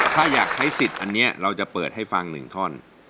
ถ้าอยากใช้สิทธิ์อันนี้เราจะเปิดให้ฟัง๑ท่อน